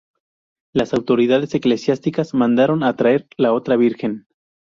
Las autoridades eclesiásticas mandaron a traer la otra Virgen.